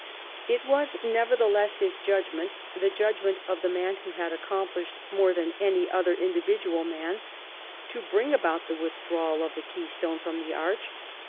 It was, nevertheless, his judgment — the judgment of the man who had accom plished more than any other individual man to bring about the withdrawal of the keystone from the arch.